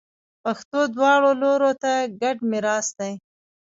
پښتو دواړو لورو ته ګډ میراث دی.